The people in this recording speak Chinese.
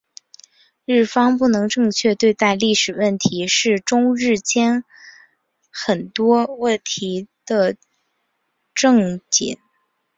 日方不能正确对待历史问题是中日间很多问题的症结。